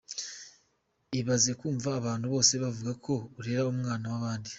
Ibaze kumva abantu bose bavuga ko urera umwana w’abandi?”.